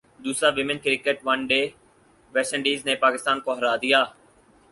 دوسرا women cricket one day west Indies نےپاکستان کوہرادیا